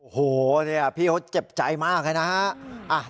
โอ้โหพี่เขาเจ็บใจมากเลยนะฮะ